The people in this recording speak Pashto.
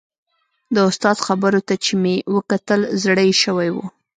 د استاد خبرو ته چې مې وکتل زړه یې شوی و.